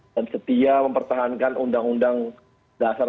dan setia mempertahankan undang undang dasar empat puluh lima